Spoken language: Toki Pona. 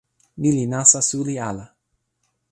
ni li nasa suli ala.